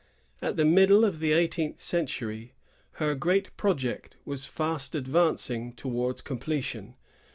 At the middle of the eighteenth century, her great project was fast advancing towards completion.